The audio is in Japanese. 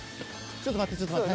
ちょっと待ってちょっと待って。